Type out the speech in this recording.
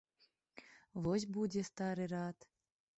Вось будзе стары рад.